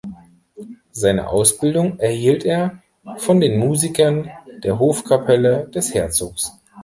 Seine Ausbildung erhielt er von den Musikern der Hofkapelle des Herzogs.